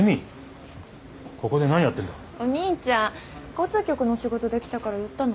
交通局の仕事で来たから寄ったの。